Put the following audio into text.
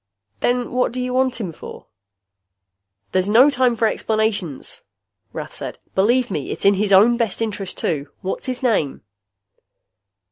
"Then what you want him for?" "There's no time for explanations," Rath said. "Believe me, it's in his own best interest, too. What is his name?"